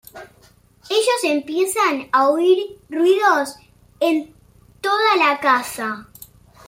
Ellos empiezan a oír ruidos en toda la casa.